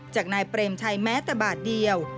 จากนายเปรมชัยแม้แต่บาทเดียว